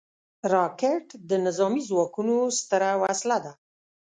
راکټ د نظامي ځواکونو ستره وسله ده